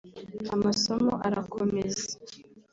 amasomo arakomeza